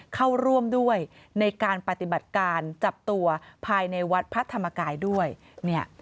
เข้าร่วมด้วยในการปฏิบัติการจับตัวภายในวัดพระธรรมกายด้วยเนี่ย